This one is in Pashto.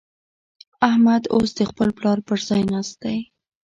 احمد اوس د خپل پلار پر ځای ناست دی.